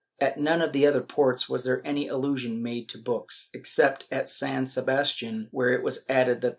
At none of the other ports was there any allusion made to books, except at San Sebastian, where it was added that ' Archivo de Simancas, Inq.